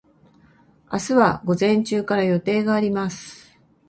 明日は午前中から予定があります。